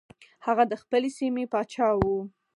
هغه د خپلې سیمې پاچا و.